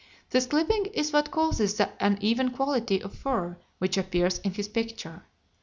This clipping is what causes the uneven quality of fur which appears in his picture.